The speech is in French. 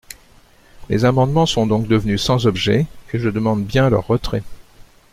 Les amendements sont donc devenus sans objet et je demande bien leur retrait.